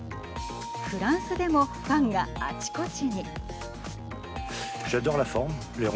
フランスでもファンがあちこちに。